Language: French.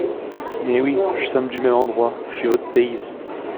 Mais oui ! j’sommes du même endroit ! je suis vot’e payse !…